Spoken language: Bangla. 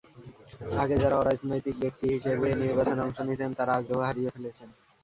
আগে যাঁরা অরাজনৈতিক ব্যক্তি হিসেবে নির্বাচনে অংশ নিতেন, তাঁরা আগ্রহ হারিয়ে ফেলেছেন।